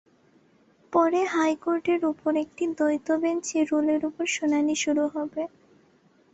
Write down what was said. পরে হাইকোর্টের অপর একটি দ্বৈত বেঞ্চে রুলের ওপর শুনানি শুরু হয়।